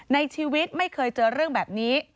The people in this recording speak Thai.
ในชีวิตไม่เคยเจอเรื่องแบบนี้